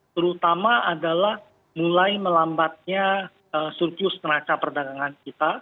terutama adalah mulai melambatnya surplus neraca perdagangan kita